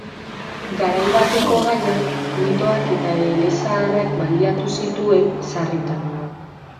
Garai bateko gaiak, mitoak eta elezaharrak baliatu zituen sarritan.